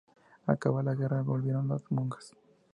Acabada la guerra, volvieron las monjas.